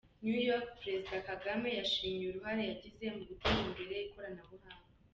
New York: Perezida Kagame yashimiwe uruhare yagize mu guteza imbere ikoranabuhanga.